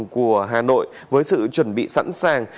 của hà nội với sự chuẩn bị sẵn sàng